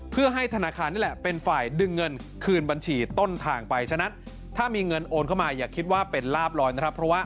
เพื่อให้ธนาคารนี่แหละเป็นฝ่ายดึงเงินคืนบัญชีต้นทางไปฉะนั้นถ้ามีเงินโอนเข้ามาอย่าคิดว่าเป็นลาบลอยนะครับ